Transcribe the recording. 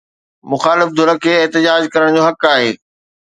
مخالف ڌر کي احتجاج ڪرڻ جو حق آهي.